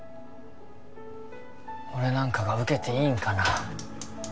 俺なんかが受けていいんかな？